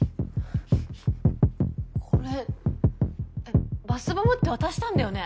これバスボムって渡したんだよね？